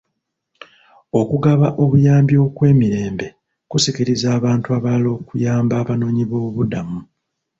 Okugaba obuyambi okw'emirembe kusikiriza abantu abalala okuyamba abanoonyi b'obubuddamu.